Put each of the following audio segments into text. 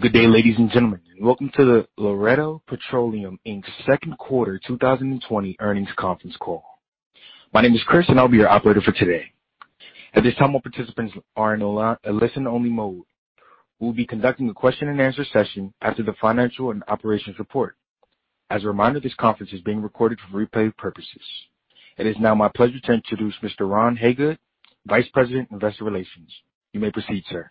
Good day, ladies and gentlemen. Welcome to the Laredo Petroleum, Inc.'s second quarter 2020 earnings conference call. My name is Chris, and I'll be your operator for today. At this time, all participants are in a listen-only mode. We'll be conducting a question-and-answer session after the financial and operations report. As a reminder, this conference is being recorded for replay purposes. It is now my pleasure to introduce Mr. Ron Hagood, Vice President of Investor Relations. You may proceed, sir.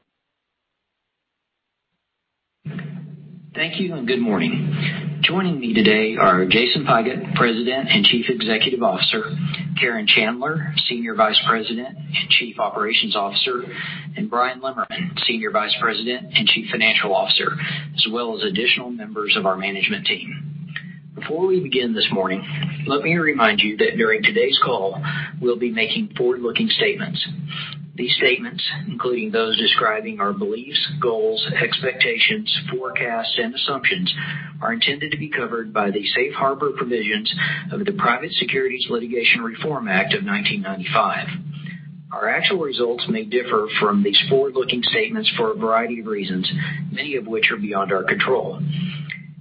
Thank you, and good morning. Joining me today are Jason Pigott, President and Chief Executive Officer, Karen Chandler, Senior Vice President and Chief Operations Officer, and Bryan Lemmerman, Senior Vice President and Chief Financial Officer, as well as additional members of our management team. Before we begin this morning, let me remind you that during today's call, we'll be making forward-looking statements. These statements, including those describing our beliefs, goals, expectations, forecasts, and assumptions, are intended to be covered by the safe harbor provisions of the Private Securities Litigation Reform Act of 1995. Our actual results may differ from these forward-looking statements for a variety of reasons, many of which are beyond our control.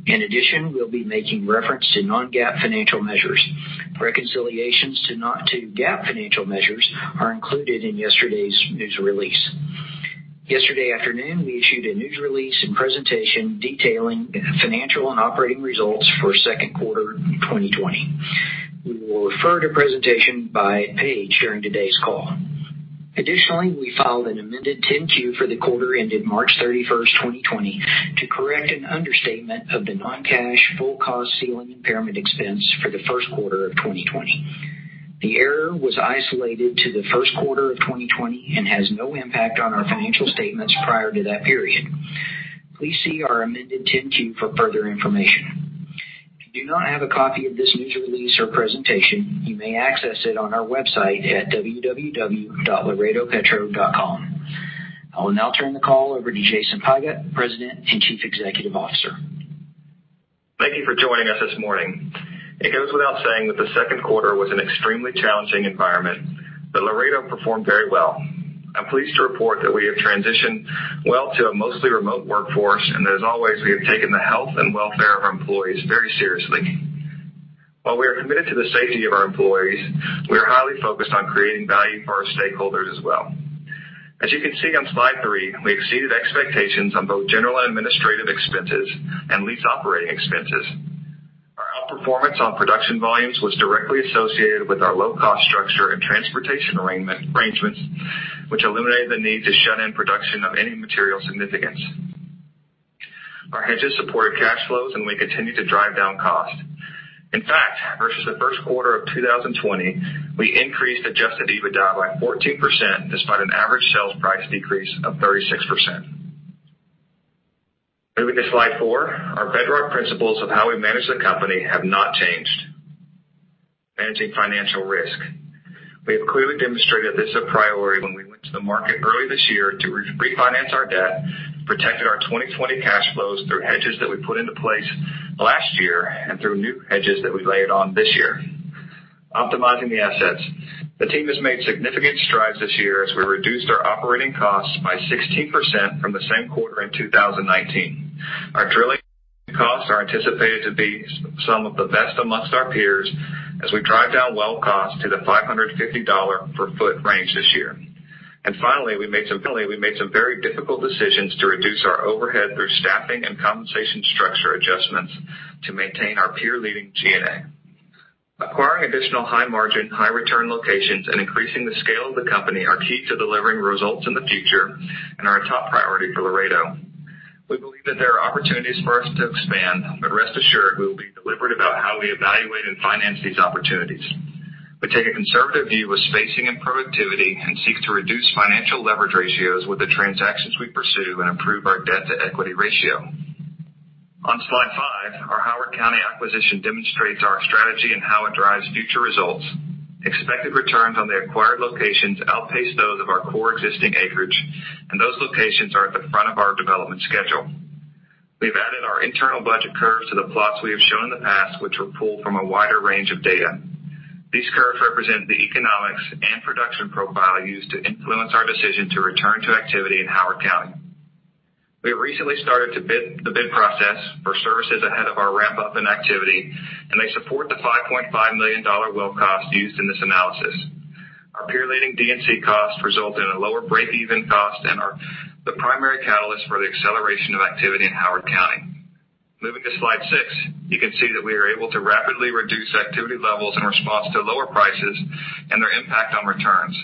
In addition, we'll be making reference to non-GAAP financial measures. Reconciliations to GAAP financial measures are included in yesterday's news release. Yesterday afternoon, we issued a news release and presentation detailing financial and operating results for second quarter 2020. We will refer to presentation by page during today's call. Additionally, we filed an amended 10-Q for the quarter ended March 31st, 2020 to correct an understatement of the non-cash full cost ceiling impairment expense for the first quarter of 2020. The error was isolated to the first quarter of 2020 and has no impact on our financial statements prior to that period. Please see our amended 10-Q for further information. If you do not have a copy of this news release or presentation, you may access it on our website at www.laredopetro.com. I will now turn the call over to Jason Pigott, President and Chief Executive Officer. Thank you for joining us this morning. It goes without saying that the second quarter was an extremely challenging environment, but Laredo performed very well. I'm pleased to report that we have transitioned well to a mostly remote workforce, and as always, we have taken the health and welfare of our employees very seriously. While we are committed to the safety of our employees, we are highly focused on creating value for our stakeholders as well. As you can see on slide three, we exceeded expectations on both general and administrative expenses and lease operating expenses. Our outperformance on production volumes was directly associated with our low-cost structure and transportation arrangements, which eliminated the need to shut in production of any material significance. Our hedges supported cash flows, and we continued to drive down costs. In fact, versus the first quarter of 2020, we increased adjusted EBITDA by 14%, despite an average sales price decrease of 36%. Moving to slide four. Our bedrock principles of how we manage the company have not changed. Managing financial risk. We have clearly demonstrated this a priority when we went to the market early this year to refinance our debt, protected our 2020 cash flows through hedges that we put into place last year and through new hedges that we laid on this year. Optimizing the assets. The team has made significant strides this year as we reduced our operating costs by 16% from the same quarter in 2019. Our drilling costs are anticipated to be some of the best amongst our peers as we drive down well costs to the $550 per ft range this year. Finally, we made some very difficult decisions to reduce our overhead through staffing and compensation structure adjustments to maintain our peer-leading G&A. Acquiring additional high margin, high return locations, and increasing the scale of the company are key to delivering results in the future and are a top priority for Laredo. We believe that there are opportunities for us to expand, but rest assured, we will be deliberate about how we evaluate and finance these opportunities. We take a conservative view of spacing and productivity and seek to reduce financial leverage ratios with the transactions we pursue and improve our debt-to-equity ratio. On slide five, our Howard County acquisition demonstrates our strategy and how it drives future results. Expected returns on the acquired locations outpace those of our core existing acreage, and those locations are at the front of our development schedule. We've added our internal budget curves to the plots we have shown in the past, which were pulled from a wider range of data. These curves represent the economics and production profile used to influence our decision to return to activity in Howard County. They recently started to flatline, but provide a solid baseline for our ramp-up activity. They support the $5.5 million well cost used in this analysis. Our peer-leading D&C costs result in a lower break-even cost and are the primary catalyst for the acceleration of activity in Howard County. Moving to slide six, you can see that we are able to rapidly reduce activity levels in response to lower prices and their impact on returns.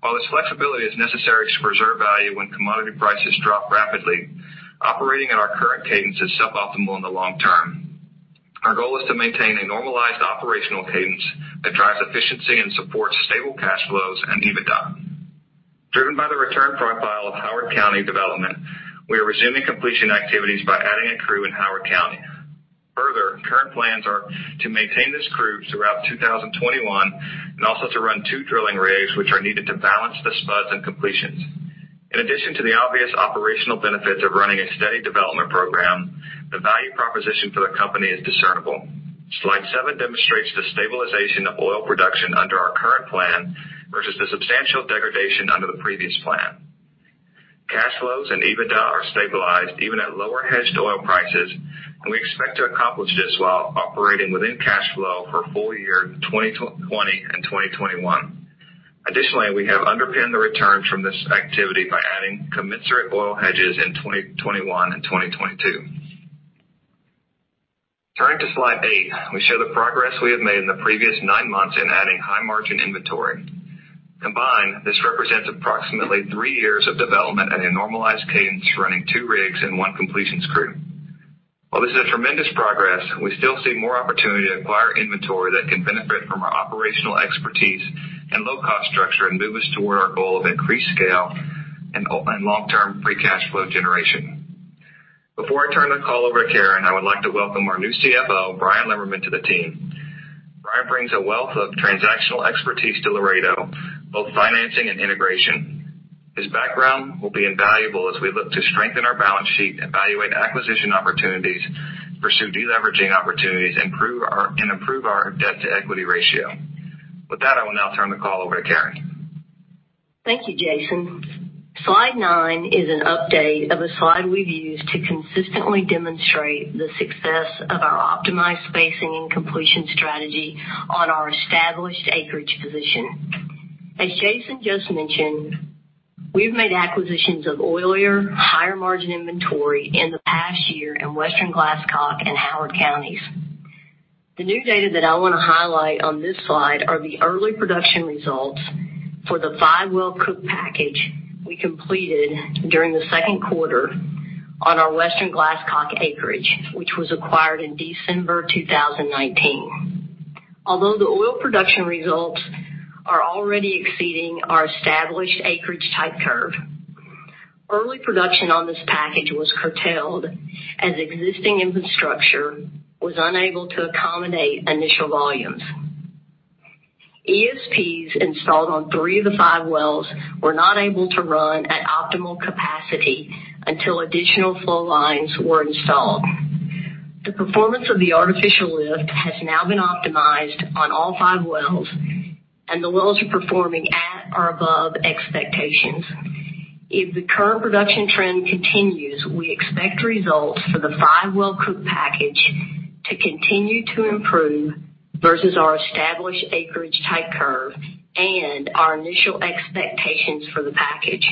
While this flexibility is necessary to preserve value when commodity prices drop rapidly, operating at our current cadence is sub-optimal in the long term. Our goal is to maintain a normalized operational cadence that drives efficiency and supports stable cash flows and EBITDA. Driven by the return profile of Howard County development, we are resuming completion activities by adding a crew in Howard County. Further, current plans are to maintain this crew throughout 2021 and also to run two drilling rigs, which are needed to balance the spuds and completions. In addition to the obvious operational benefits of running a steady development program. The value proposition for the company is discernible. Slide seven demonstrates the stabilization of oil production under our current plan versus the substantial degradation under the previous plan. Cash flows and EBITDA are stabilized even at lower hedged oil prices, and we expect to accomplish this while operating within cash flow for full year 2020 and 2021. Additionally, we have underpinned the returns from this activity by adding commensurate oil hedges in 2021 and 2022. Turning to slide eight, we show the progress we have made in the previous nine months in adding high margin inventory. Combined, this represents approximately three years of development at a normalized cadence running two rigs and one completions crew. While this is tremendous progress, we still see more opportunity to acquire inventory that can benefit from our operational expertise and low cost structure and move us toward our goal of increased scale and long-term free cash flow generation. Before I turn the call over to Karen, I would like to welcome our new CFO, Bryan Lemmerman, to the team. Bryan brings a wealth of transactional expertise to Laredo, both financing and integration. His background will be invaluable as we look to strengthen our balance sheet, evaluate acquisition opportunities, pursue deleveraging opportunities, and improve our debt to equity ratio. With that, I will now turn the call over to Karen. Thank you, Jason. Slide nine is an update of a slide we've used to consistently demonstrate the success of our optimized spacing and completion strategy on our established acreage position. As Jason just mentioned, we've made acquisitions of oilier higher margin inventory in the past year in Western Glasscock and Howard Counties. The new data that I want to highlight on this slide are the early production results for the five-well Cook package we completed during the second quarter on our Western Glasscock acreage, which was acquired in December 2019. Although the oil production results are already exceeding our established acreage type curve, early production on this package was curtailed as existing infrastructure was unable to accommodate initial volumes. ESPs installed on three of the five-wells were not able to run at optimal capacity until additional flow lines were installed. The performance of the artificial lift has now been optimized on all five wells, and the wells are performing at or above expectations. If the current production trend continues, we expect results for the five-well Cook package to continue to improve versus our established acreage type curve and our initial expectations for the package.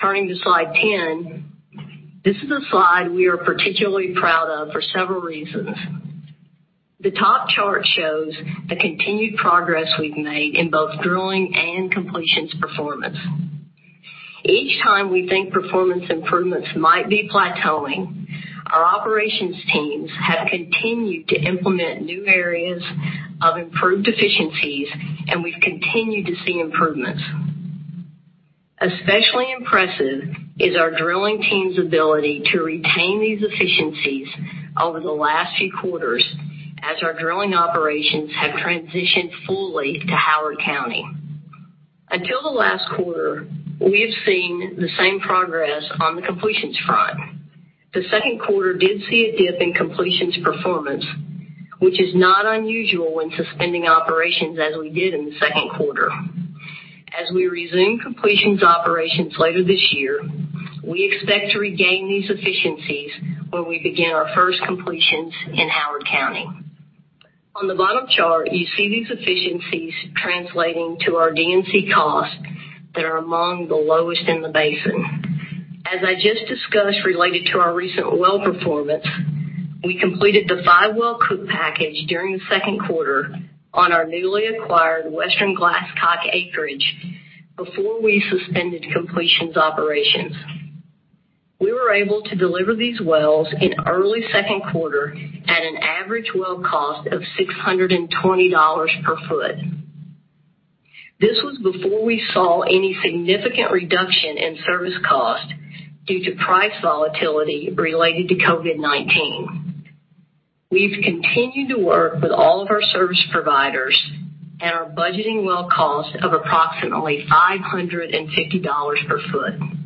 Turning to slide 10. This is a slide we are particularly proud of for several reasons. The top chart shows the continued progress we've made in both drilling and completions performance. Each time we think performance improvements might be plateauing, our operations teams have continued to implement new areas of improved efficiencies, and we've continued to see improvements. Especially impressive is our drilling team's ability to retain these efficiencies over the last few quarters as our drilling operations have transitioned fully to Howard County. Until the last quarter, we have seen the same progress on the completions front. The second quarter did see a dip in completions performance, which is not unusual when suspending operations as we did in the second quarter. As we resume completions operations later this year, we expect to regain these efficiencies when we begin our first completions in Howard County. On the bottom chart, you see these efficiencies translating to our D&C costs that are among the lowest in the basin. As I just discussed, related to our recent well performance, we completed the five-well Cook package during the second quarter on our newly acquired Western Glasscock acreage before we suspended completions operations. We were able to deliver these wells in early second quarter at an average well cost of $620 per ft. This was before we saw any significant reduction in service cost due to price volatility related to COVID-19. We've continued to work with all of our service providers and are budgeting well cost of approximately $550 per ft.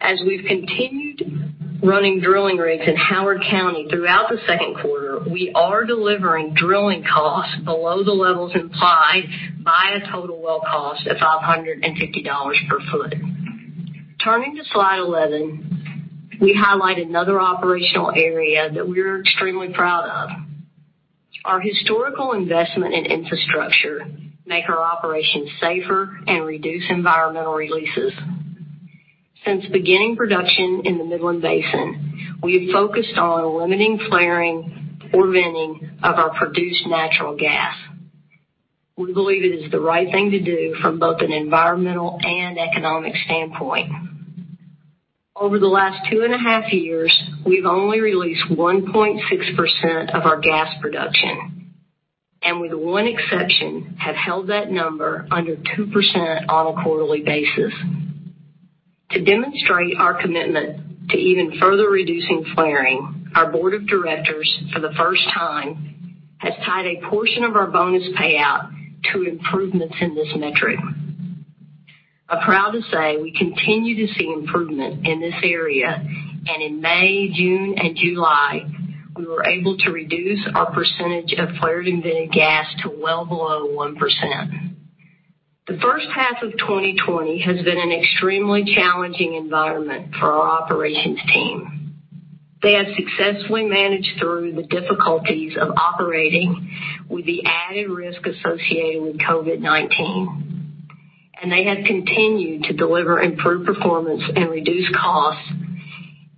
As we've continued running drilling rigs in Howard County throughout the second quarter, we are delivering drilling costs below the levels implied by a total well cost of $550 per ft. Turning to slide 11, we highlight another operational area that we're extremely proud of. Our historical investment in infrastructure make our operations safer and reduce environmental releases. Since beginning production in the Midland Basin, we have focused on limiting flaring or venting of our produced natural gas. We believe it is the right thing to do from both an environmental and economic standpoint. Over the last two and a half years, we've only released 1.6% of our gas production, and with one exception, have held that number under 2% on a quarterly basis. To demonstrate our commitment to even further reducing flaring, our board of directors, for the first time, has tied a portion of our bonus payout to improvements in this metric. I'm proud to say we continue to see improvement in this area, and in May, June, and July, we were able to reduce our percentage of flared and vented gas to well below 1%. The first half of 2020 has been an extremely challenging environment for our operations team. They have successfully managed through the difficulties of operating with the added risk associated with COVID-19, and they have continued to deliver improved performance and reduce costs,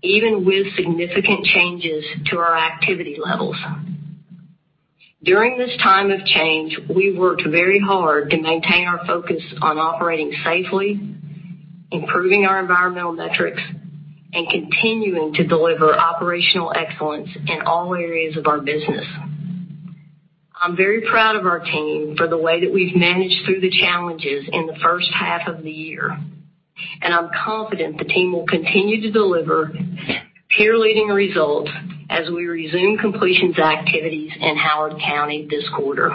even with significant changes to our activity levels. During this time of change, we worked very hard to maintain our focus on operating safely, improving our environmental metrics, and continuing to deliver operational excellence in all areas of our business. I'm very proud of our team for the way that we've managed through the challenges in the first half of the year, and I'm confident the team will continue to deliver peer-leading results as we resume completions activities in Howard County this quarter.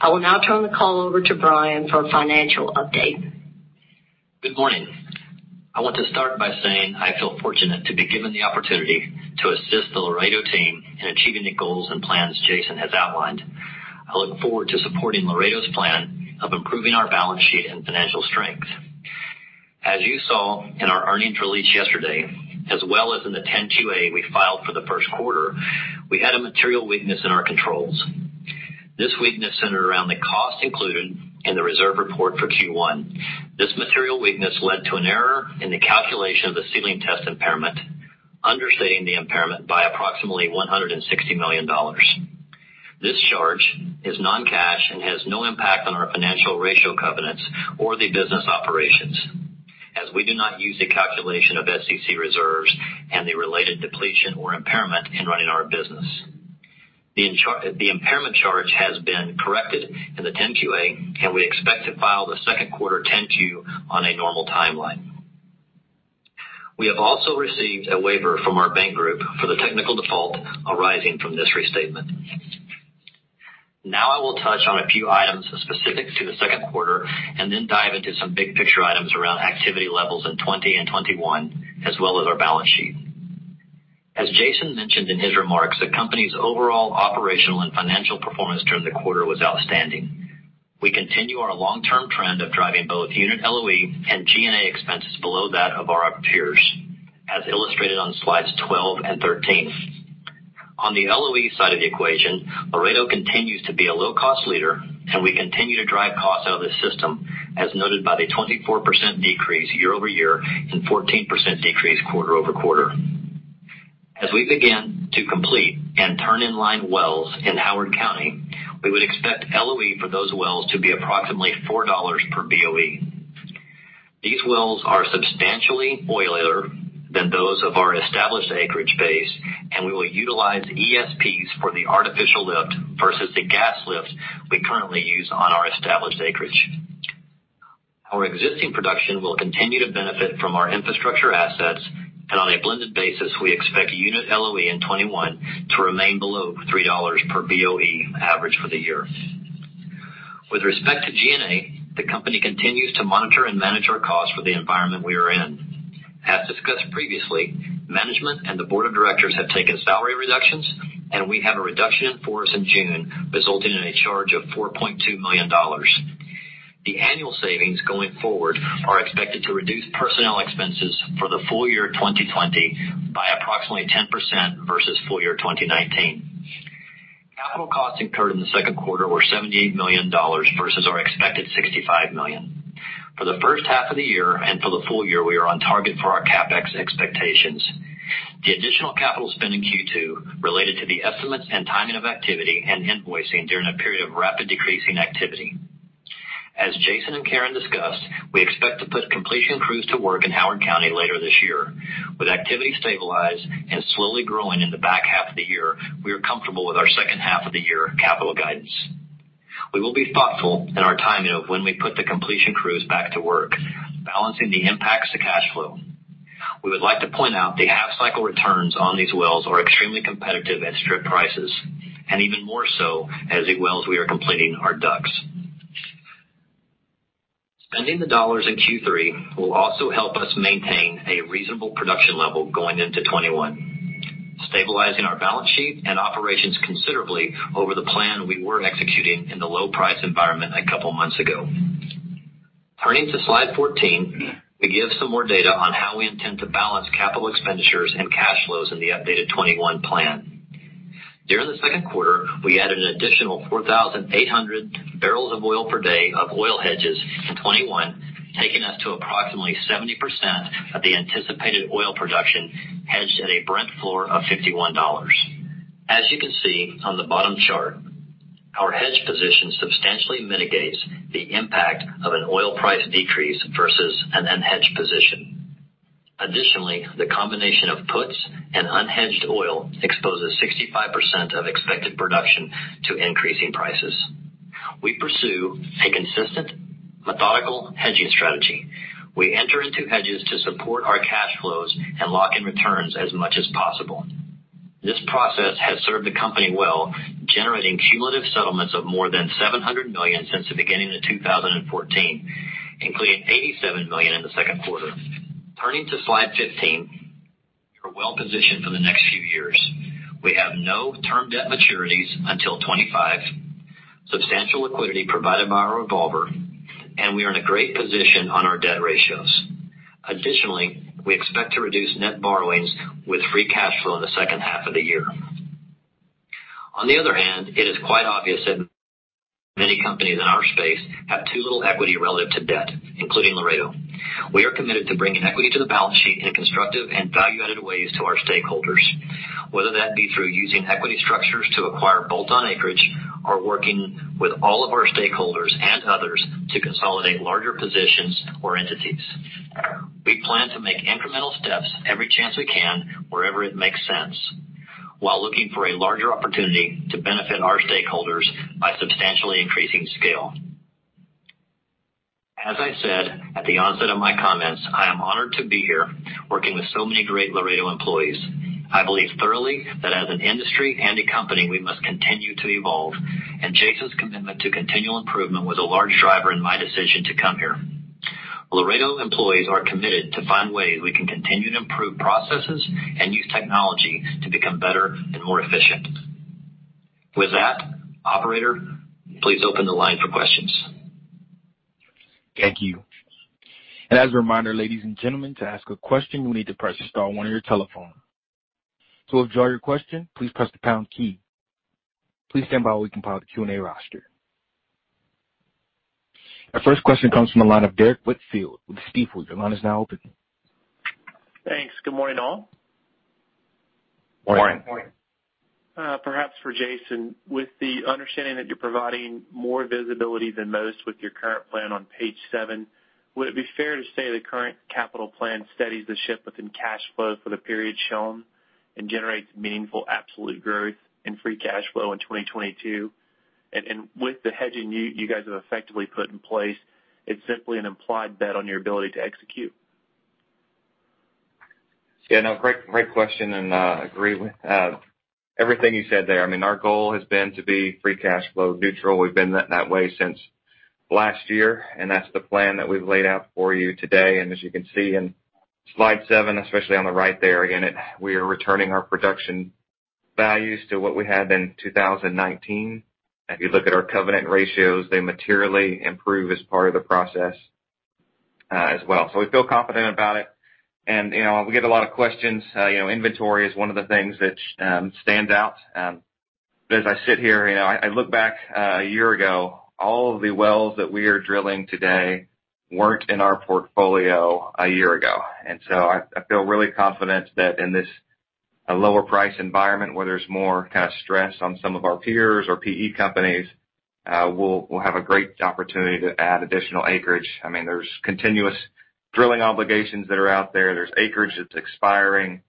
I will now turn the call over to Bryan for a financial update. Good morning. I want to start by saying I feel fortunate to be given the opportunity to assist the Laredo team in achieving the goals and plans Jason has outlined. I look forward to supporting Laredo's plan of improving our balance sheet and financial strength. As you saw in our earnings release yesterday, as well as in the 10-QA we filed for the first quarter, we had a material weakness in our controls. This weakness centered around the cost included in the reserve report for Q1. This material weakness led to an error in the calculation of the ceiling test impairment, understating the impairment by approximately $160 million. This charge is non-cash and has no impact on our financial ratio covenants or the business operations, as we do not use the calculation of SEC reserves and the related depletion or impairment in running our business. The impairment charge has been corrected in the 10-QA, and we expect to file the second quarter 10-Q on a normal timeline. We have also received a waiver from our bank group for the technical default arising from this restatement. Now I will touch on a few items specific to the second quarter and then dive into some big-picture items around activity levels in 2020 and 2021, as well as our balance sheet. As Jason mentioned in his remarks, the company's overall operational and financial performance during the quarter was outstanding. We continue our long-term trend of driving both unit LOE and G&A expenses below that of our peers, as illustrated on slides 12 and 13. On the LOE side of the equation, Laredo continues to be a low-cost leader, and we continue to drive costs out of the system, as noted by the 24% decrease year-over-year and 14% decrease quarter-over-quarter. As we begin to complete and turn in line wells in Howard County, we would expect LOE for those wells to be approximately $4 per BOE. These wells are substantially oilier than those of our established acreage base, and we will utilize ESPs for the artificial lift versus the gas lift we currently use on our established acreage. Our existing production will continue to benefit from our infrastructure assets, and on a blended basis, we expect unit LOE in 2021 to remain below $3 per BOE average for the year. With respect to G&A, the company continues to monitor and manage our costs for the environment we are in. As discussed previously, management and the board of directors have taken salary reductions, and we had a reduction in force in June, resulting in a charge of $4.2 million. The annual savings going forward are expected to reduce personnel expenses for the full year 2020 by approximately 10% versus full year 2019. Capital costs incurred in the second quarter were $78 million versus our expected $65 million. For the first half of the year and for the full year, we are on target for our CapEx expectations. The additional capital spend in Q2 related to the estimates and timing of activity and invoicing during a period of rapid decreasing activity. As Jason and Karen discussed, we expect to put completion crews to work in Howard County later this year. With activity stabilized and slowly growing in the back half of the year, we are comfortable with our second half of the year capital guidance. We will be thoughtful in our timing of when we put the completion crews back to work, balancing the impacts to cash flow. We would like to point out the half-cycle returns on these wells are extremely competitive at strip prices, and even more so as the wells we are completing are DUCs. Spending the dollars in Q3 will also help us maintain a reasonable production level going into 2021, stabilizing our balance sheet and operations considerably over the plan we were executing in the low-price environment a couple of months ago. Turning to slide 14, we give some more data on how we intend to balance capital expenditures and cash flows in the updated 2021 plan. During the second quarter, we added an additional 4,800 bbl of oil per day of oil hedges in 2021, taking us to approximately 70% of the anticipated oil production hedged at a Brent floor of $51. As you can see on the bottom chart, our hedge position substantially mitigates the impact of an oil price decrease versus an unhedged position. Additionally, the combination of puts and unhedged oil exposes 65% of expected production to increasing prices. We pursue a consistent, methodical hedging strategy. We enter into hedges to support our cash flows and lock in returns as much as possible. This process has served the company well, generating cumulative settlements of more than $700 million since the beginning of 2014, including $87 million in the second quarter. Turning to slide 15. We're well-positioned for the next few years. We have no term debt maturities until 2025, substantial liquidity provided by our revolver, and we are in a great position on our debt ratios. Additionally, we expect to reduce net borrowings with free cash flow in the second half of the year. On the other hand, it is quite obvious that many companies in our space have too little equity relative to debt, including Laredo. We are committed to bringing equity to the balance sheet in constructive and value-added ways to our stakeholders. Whether that be through using equity structures to acquire bolt-on acreage or working with all of our stakeholders and others to consolidate larger positions or entities. We plan to make incremental steps every chance we can wherever it makes sense, while looking for a larger opportunity to benefit our stakeholders by substantially increasing scale. As I said at the onset of my comments, I am honored to be here working with so many great Laredo employees. I believe thoroughly that as an industry and a company, we must continue to evolve, and Jason's commitment to continual improvement was a large driver in my decision to come here. Laredo employees are committed to find ways we can continue to improve processes and use technology to become better and more efficient. With that, Operator, please open the line for questions. Thank you. As a reminder, ladies and gentlemen, to ask a question, you'll need to press star one on your telephone. To withdraw your question, please press the pound key. Please stand by while we compile the Q&A roster. Our first question comes from the line of Derrick Whitfield with Stifel. Your line is now open. Thanks. Good morning, all. Morning. Morning. Perhaps for Jason. With the understanding that you're providing more visibility than most with your current plan on page seven, would it be fair to say the current capital plan steadies the ship within cash flow for the period shown and generates meaningful absolute growth and free cash flow in 2022? With the hedging you guys have effectively put in place, it's simply an implied bet on your ability to execute. No, great question, and I agree with everything you said there. Our goal has been to be free cash flow neutral. We've been that way since last year, and that's the plan that we've laid out for you today. As you can see in slide seven, especially on the right there, again, we are returning our production values to what we had in 2019. If you look at our covenant ratios, they materially improve as part of the process as well. We feel confident about it. We get a lot of questions. Inventory is one of the things that stands out. As I sit here, I look back a year ago, all of the wells that we are drilling today weren't in our portfolio a year ago. I feel really confident that in this lower price environment where there's more stress on some of our peers or PE companies, we'll have a great opportunity to add additional acreage. There's continuous drilling obligations that are out there. There's acreage that's expiring.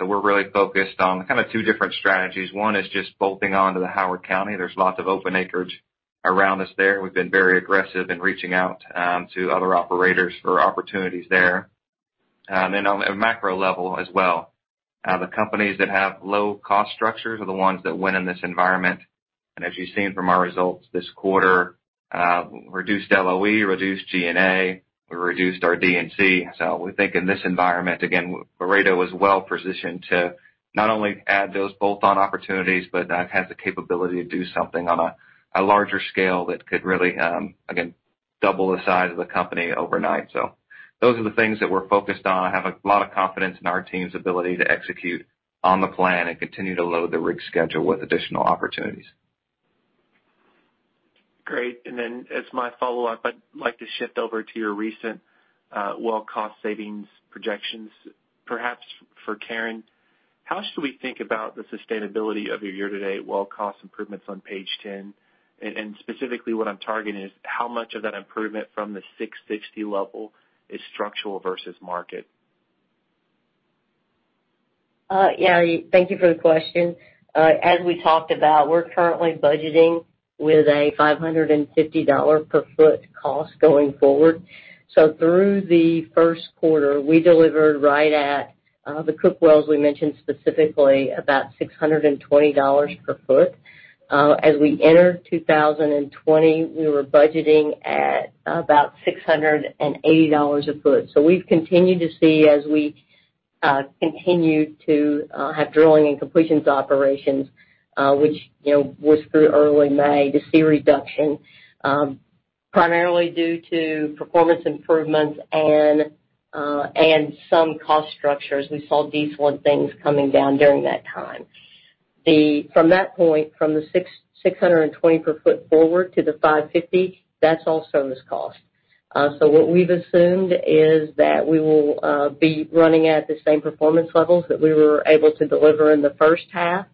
We're really focused on two different strategies. One is just bolting onto the Howard County. There's lots of open acreage around us there. We've been very aggressive in reaching out to other operators for opportunities there. On a macro level as well, the companies that have low cost structures are the ones that win in this environment. As you've seen from our results this quarter, reduced LOE, reduced G&A, we reduced our D&C. We think in this environment, again, Laredo Petroleum is well-positioned to not only add those bolt-on opportunities, but have the capability to do something on a larger scale that could really, again, double the size of the company overnight. Those are the things that we're focused on. I have a lot of confidence in our team's ability to execute on the plan and continue to load the rig schedule with additional opportunities. Great. As my follow-up, I'd like to shift over to your recent well cost savings projections. Perhaps for Karen, how should we think about the sustainability of your year-to-date well cost improvements on page 10? Specifically, what I'm targeting is how much of that improvement from the 660 level is structural versus market? Yeah, thank you for the question. As we talked about, we're currently budgeting with a $550 per ft cost going forward. Through the first quarter, we delivered right at the Cook wells we mentioned specifically about $620 per ft. As we entered 2020, we were budgeting at about $680 a ft. We've continued to see as we continued to have drilling and completions operations, which was through early May, to see a reduction primarily due to performance improvements and some cost structures. We saw diesel and things coming down during that time. From that point, from the $620 per ft forward to the $550, that's all service cost. What we've assumed is that we will be running at the same performance levels that we were able to deliver in the first half.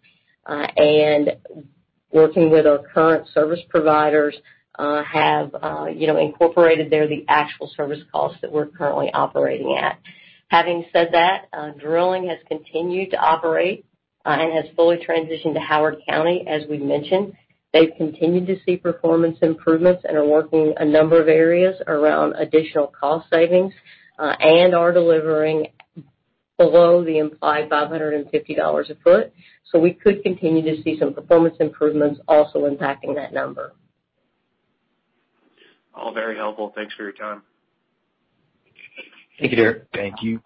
Working with our current service providers have incorporated there the actual service costs that we're currently operating at. Having said that, drilling has continued to operate and has fully transitioned to Howard County, as we mentioned. They've continued to see performance improvements and are working a number of areas around additional cost savings, and are delivering below the implied $550 a ft. We could continue to see some performance improvements also impacting that number. All very helpful. Thanks for your time. Thank you, Derrick. Thank you.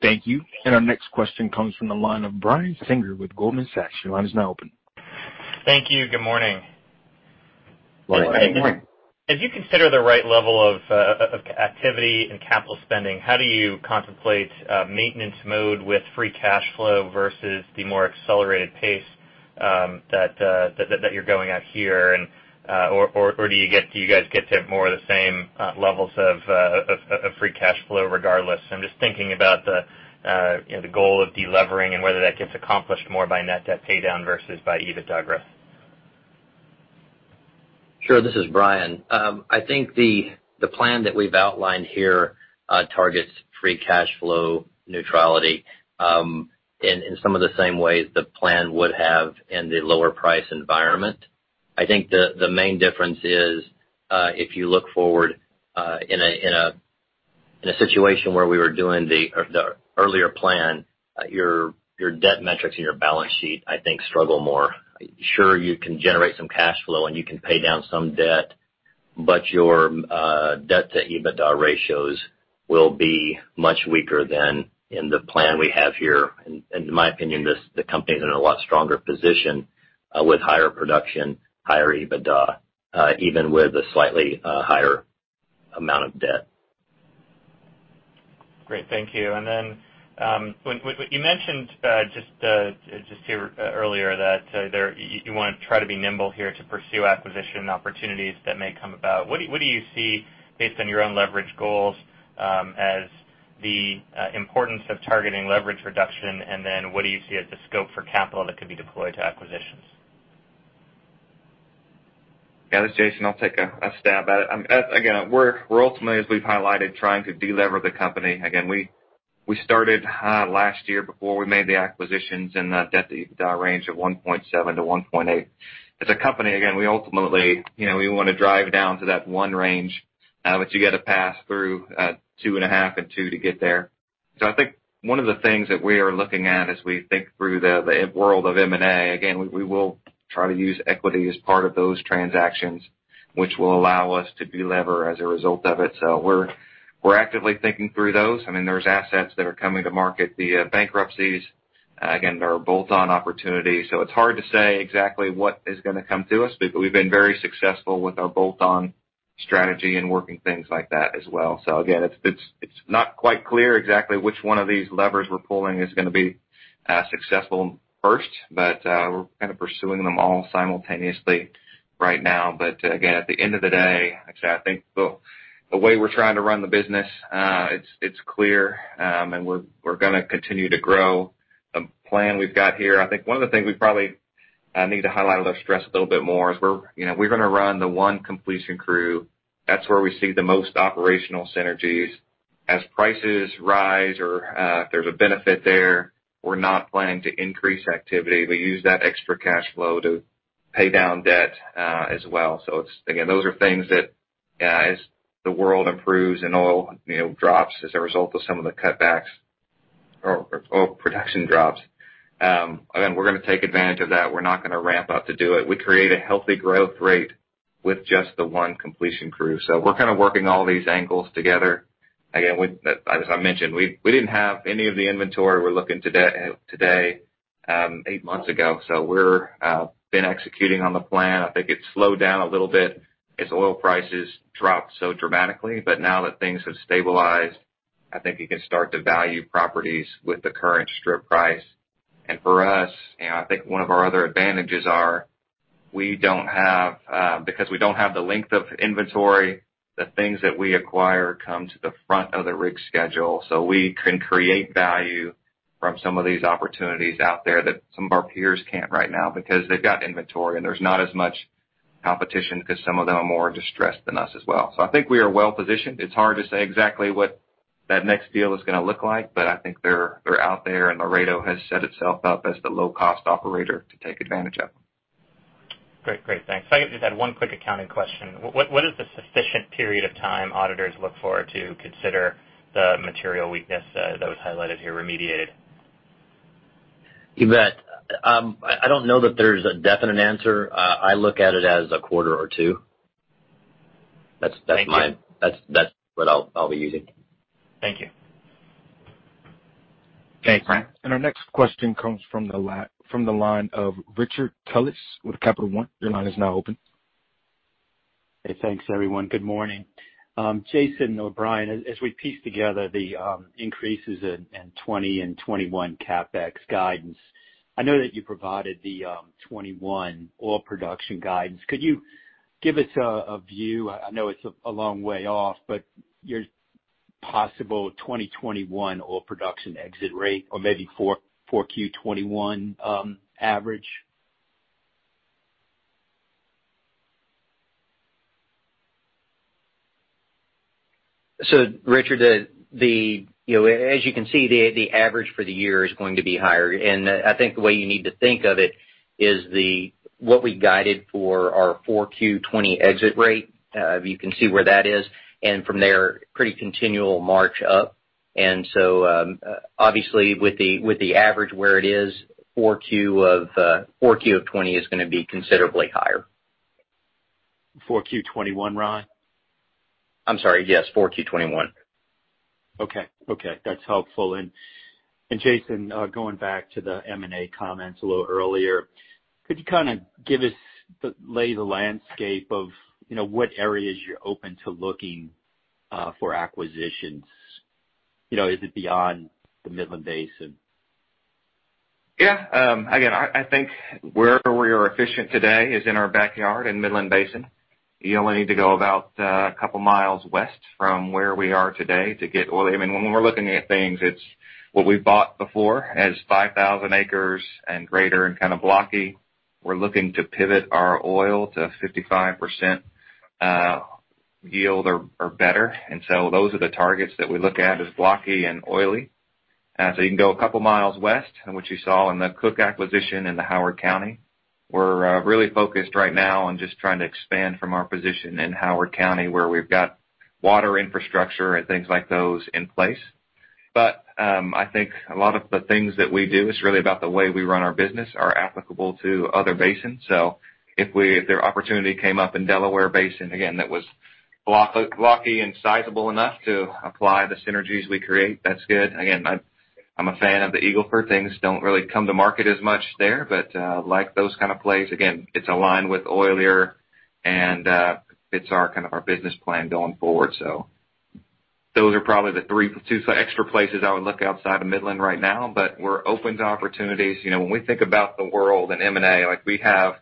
Thank you. Our next question comes from the line of Brian Singer with Goldman Sachs. Your line is now open. Thank you. Good morning. Good morning. As you consider the right level of activity and capital spending, how do you contemplate maintenance mode with free cash flow versus the more accelerated pace that you're going at here? Do you guys get to more of the same levels of free cash flow, regardless? I'm just thinking about the goal of de-levering and whether that gets accomplished more by net debt pay down versus by EBITDA growth. Sure. This is Bryan. I think the plan that we've outlined here targets free cash flow neutrality, in some of the same ways the plan would have in the lower price environment. I think the main difference is, if you look forward in a situation where we were doing the earlier plan, your debt metrics and your balance sheet, I think, struggle more. Sure, you can generate some cash flow, and you can pay down some debt, but your debt to EBITDA ratios will be much weaker than in the plan we have here. To my opinion, the company's in a lot stronger position with higher production, higher EBITDA, even with a slightly higher amount of debt. Great. Thank you. You mentioned just here earlier that you want to try to be nimble here to pursue acquisition opportunities that may come about. What do you see based on your own leverage goals, as the importance of targeting leverage reduction, what do you see as the scope for capital that could be deployed to acquisitions? Yeah, this is Jason. I'll take a stab at it. Again, we're ultimately, as we've highlighted, trying to de-lever the company. Again, we started last year before we made the acquisitions in the debt-to-EBITDA range of 1.7-1.8. As a company, again, we ultimately want to drive down to that 1 range, but you get a pass through 2.5 and 2 to get there. I think one of the things that we are looking at as we think through the world of M&A, again, we will try to use equity as part of those transactions, which will allow us to de-lever as a result of it. We're actively thinking through those. There's assets that are coming to market, the bankruptcies. Again, they're bolt-on opportunities, so it's hard to say exactly what is going to come to us, but we've been very successful with our bolt-on strategy and working things like that as well. Again, it's not quite clear exactly which one of these levers we're pulling is going to be successful first. We're kind of pursuing them all simultaneously right now. Again, at the end of the day, actually, I think the way we're trying to run the business, it's clear, and we're going to continue to grow the plan we've got here. I think one of the things we probably need to highlight or stress a little bit more is we're going to run the one completion crew. That's where we see the most operational synergies. As prices rise or there's a benefit there, we're not planning to increase activity. We use that extra cash flow to pay down debt as well. Again, those are things that as the world improves and oil drops as a result of some of the cutbacks or production drops, again, we're going to take advantage of that. We're not going to ramp up to do it. We create a healthy growth rate with just the one completion crew. We're kind of working all these angles together. Again, as I mentioned, we didn't have any of the inventory we're looking today eight months ago. We've been executing on the plan. I think it slowed down a little bit as oil prices dropped so dramatically. Now that things have stabilized, I think you can start to value properties with the current strip price. For us, I think one of our other advantages are, because we don't have the length of inventory, the things that we acquire come to the front of the rig schedule. We can create value from some of these opportunities out there that some of our peers can't right now because they've got inventory and there's not as much competition because some of them are more distressed than us as well. I think we are well-positioned. It's hard to say exactly what that next deal is going to look like, but I think they're out there, and Laredo has set itself up as the low-cost operator to take advantage of them. Great. Thanks. Second, just had one quick accounting question. What is the sufficient period of time auditors look forward to consider the material weakness that was highlighted here remediated? You bet. I don't know that there's a definite answer. I look at it as a quarter or two. Thank you. That's what I'll be using. Thank you. Okay, Frank. Our next question comes from the line of Richard Tullis with Capital One Securities. Your line is now open. Hey, thanks everyone. Good morning. Jason or Bryan, as we piece together the increases in 2020 and 2021 CapEx guidance, I know that you provided the 2021 oil production guidance. Could you give us a view, I know it's a long way off, but your possible 2021 oil production exit rate or maybe 4Q 2021 average? Richard, as you can see, the average for the year is going to be higher. I think the way you need to think of it is what we guided for our 4Q 2020 exit rate, you can see where that is. From there, pretty continual march up. Obviously with the average where it is, 4Q of 2020 is going to be considerably higher. 4Q 2021, Ron? I'm sorry, yes. 4Q 2021. Okay. That's helpful. Jason, going back to the M&A comments a little earlier, could you kind of lay the landscape of what areas you're open to looking for acquisitions? Is it beyond the Midland Basin? I think where we are efficient today is in our backyard in Midland Basin. You only need to go about a couple miles west from where we are today to get oil. We're looking at things, it's what we've bought before as 5,000 acres and greater, and kind of blocky. We're looking to pivot our oil to 55% yield or better. Those are the targets that we look at as blocky and oily. You can go a couple miles west, which you saw in the Cook acquisition into Howard County. We're really focused right now on just trying to expand from our position in Howard County, where we've got water infrastructure and things like those in place. I think a lot of the things that we do, it's really about the way we run our business, are applicable to other basins. If their opportunity came up in Delaware Basin, again, that was blocky and sizable enough to apply the synergies we create, that's good. I'm a fan of the Eagle Ford. Things don't really come to market as much there, but like those kind of plays. It's aligned with oilier and, it's our business plan going forward. Those are probably the three, two extra places I would look outside of Midland right now. We're open to opportunities. When we think about the world and M&A, we have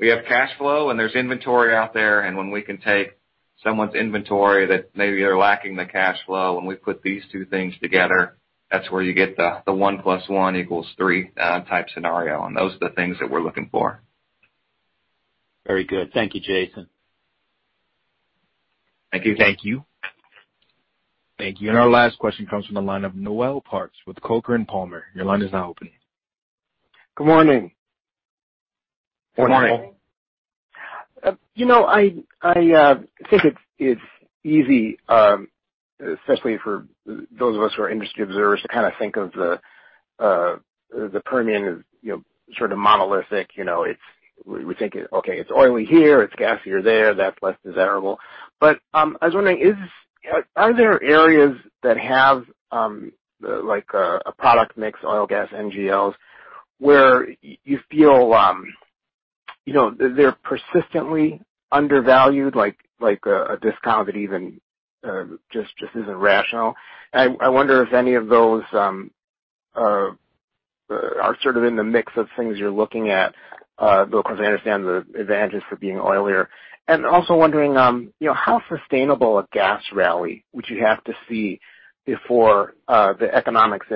cash flow, and there's inventory out there. When we can take someone's inventory that maybe they're lacking the cash flow, and we put these two things together, that's where you get the one plus one equals three type scenario. Those are the things that we're looking for. Very good. Thank you, Jason. Thank you. Thank you. Thank you. Our last question comes from the line of Noel Parks with Coker & Palmer Investment Securities. Your line is now open. Good morning. Good morning. Good morning. I think it's easy, especially for those of us who are industry observers, to kind of think of the Permian as sort of monolithic. We think, okay, it's oily here, it's gassier there. That's less desirable. I was wondering, are there areas that have a product mix, oil, gas, NGLs, where you feel they're persistently undervalued, like a discount that even just isn't rational. I wonder if any of those are sort of in the mix of things you're looking at. I understand the advantages for being oilier. Also wondering, how sustainable a gas rally would you have to see before the economics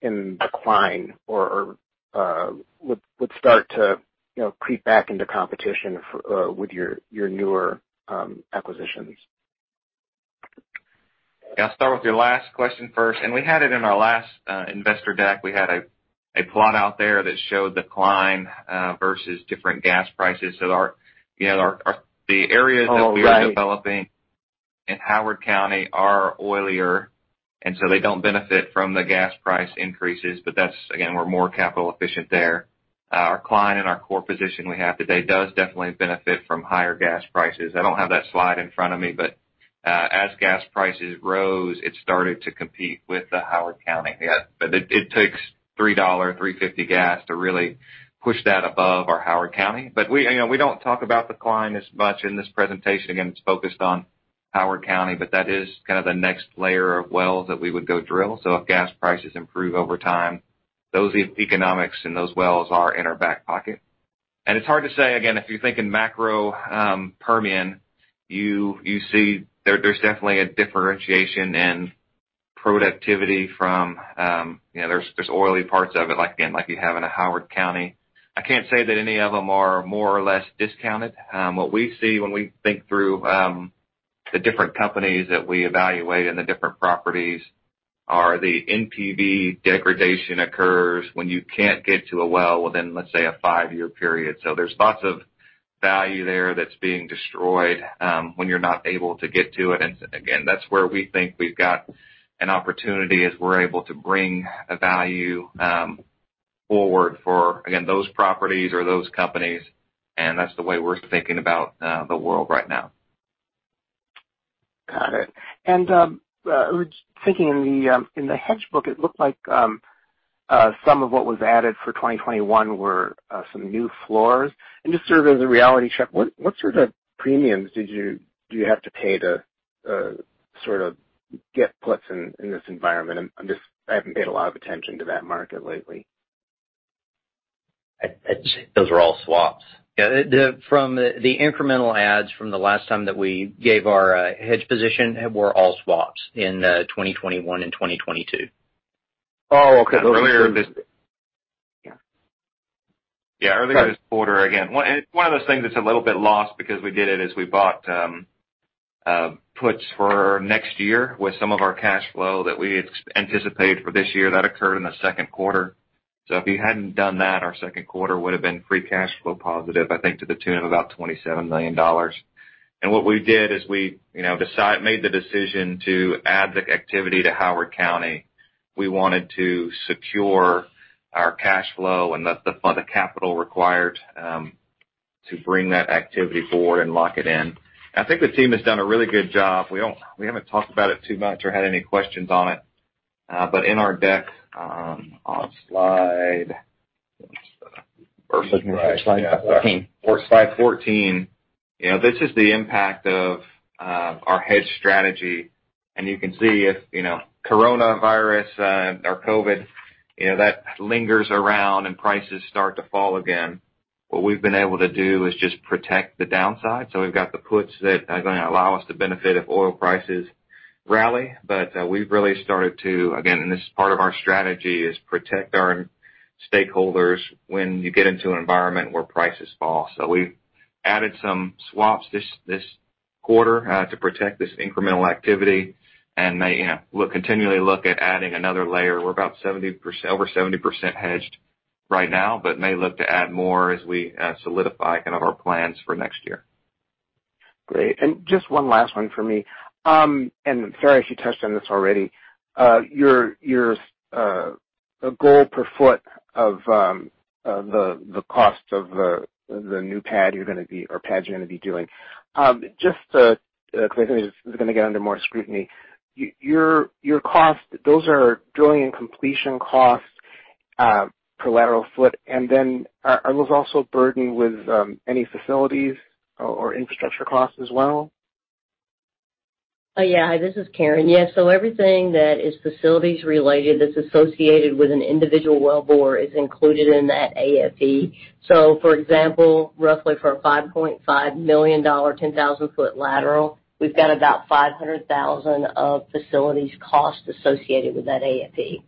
in decline or would start to creep back into competition with your newer acquisitions? Yeah, I'll start with your last question first. We had it in our last investor deck. We had a plot out there that showed decline versus different gas prices. The areas that we are developing in Howard County are oilier, and so they don't benefit from the gas price increases. That's, again, we're more capital efficient there. Our Cline in our core position we have today does definitely benefit from higher gas prices. I don't have that slide in front of me, but as gas prices rose, it started to compete with the Howard County. It takes $3, $3.50 gas to really push that above our Howard County. We don't talk about in Cline as much in this presentation. Again, it's focused on Howard County, but that is kind of the next layer of wells that we would go drill. If gas prices improve over time, those economics and those wells are in our back pocket. It's hard to say, again, if you think in macro Permian, you see there's definitely a differentiation in productivity from, there's oily parts of it, again, like you have in Howard County. I can't say that any of them are more or less discounted. What we see when we think through the different companies that we evaluate and the different properties are the NPV degradation occurs when you can't get to a well within, let's say, a five-year period. There's lots of value there that's being destroyed when you're not able to get to it. Again, that's where we think we've got an opportunity as we're able to bring a value forward for, again, those properties or those companies. That's the way we're thinking about the world right now. Got it. I was thinking in the hedge book, it looked like some of what was added for 2021 were some new floors. Just sort of as a reality check, what sort of premiums did you have to pay to sort of get puts in this environment? I haven't paid a lot of attention to that market lately. Those are all swaps. From the incremental adds from the last time that we gave our hedge position were all swaps in 2021 and 2022. Oh, okay. Those were earlier. Yeah. Yeah. Earlier this quarter, again, one of those things that's a little bit lost because we did it is we bought puts for next year with some of our cash flow that we had anticipated for this year. That occurred in the second quarter. If we hadn't done that, our second quarter would've been free cash flow positive, I think to the tune of about $27 million. What we did is we made the decision to add the activity to Howard County. We wanted to secure our cash flow and the capital required to bring that activity forward and lock it in. I think the team has done a really good job. We haven't talked about it too much or had any questions on it. In our deck, on slide- Slide 14. Slide 14. This is the impact of our hedge strategy. You can see if coronavirus or COVID-19, that lingers around and prices start to fall again, what we've been able to do is just protect the downside. We've got the puts that are going to allow us to benefit if oil prices rally. We've really started to, again, and this is part of our strategy, is protect our stakeholders when you get into an environment where prices fall. We've added some swaps this quarter to protect this incremental activity and may continually look at adding another layer. We're over 70% hedged right now. May look to add more as we solidify our plans for next year. Great. Just one last one for me. Karen, she touched on this already. Your goal per foot of the cost of the new pad you're going to be doing. Just because I think this is going to get under more scrutiny. Your cost, those are Drilling and Completion costs, per lateral foot. Then are those also burdened with any facilities or infrastructure costs as well? Yeah. This is Karen. Yeah. Everything that is facilities related that's associated with an individual wellbore is included in that AFE. For example, roughly for a $5.5 million 10,000 ft lateral, we've got about $500,000 of facilities cost associated with that AFE.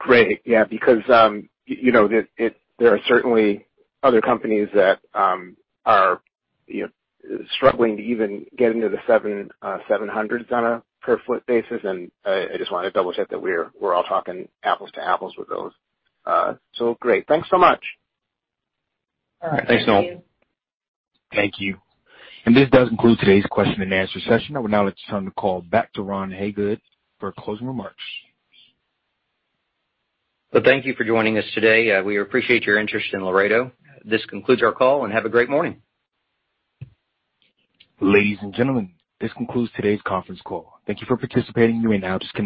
Great. Yeah, because there are certainly other companies that are struggling to even get into the 700s on a per ft basis, and I just wanted to double check that we're all talking apples to apples with those. Great. Thanks so much. All right. Thank you. Thanks, Noel. Thank you. This does conclude today's question and answer session. I will now turn the call back to Ron Hagood for closing remarks. Well, thank you for joining us today. We appreciate your interest in Laredo. This concludes our call. Have a great morning. Ladies and gentlemen, this concludes today's conference call. Thank you for participating. You may now disconnect.